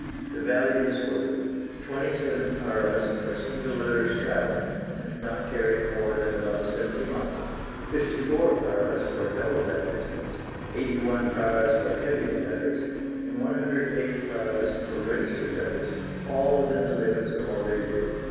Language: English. The values were 27 paras for single letters travelling, and not carried more than about seventy miles, 54 paras for double that distance, 81 paras for heavier letters, and 108 paras for registered letters, all within the limits of Moldavia.